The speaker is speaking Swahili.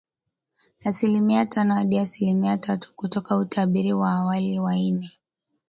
Asilimia tano hadi asilimia tatu, kutoka utabiri wa awali wa ine